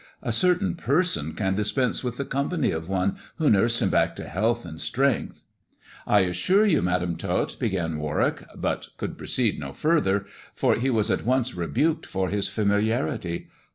A certain person can dispense with the company of one who nursed him back to health and strength." " I assure you. Madam Tot," began Warwick ; but could proceed no further, for he was at once rebuked for his familiarity.